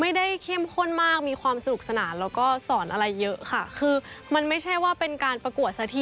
แล้วเขาก็จะคัดเรื่องน่าจะเป็นเรื่องความสดใสด้วยเนอะว่าเป็นธรรมชาติ